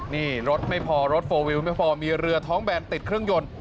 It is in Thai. นี่รถไม่พอรถโฟลวิวไม่พอมีเรือท้องแบนติดเครื่องยนต์